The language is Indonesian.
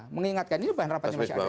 mengingatkan ini bahkan rapatnya masih ada